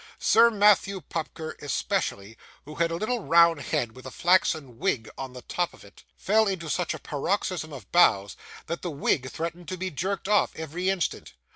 Sir Matthew Pupker especially, who had a little round head with a flaxen wig on the top of it, fell into such a paroxysm of bows, that the wig threatened to be jerked off, every instant.